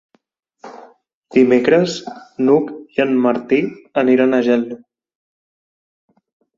Dimecres n'Hug i en Martí aniran a Geldo.